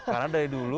karena dari dulu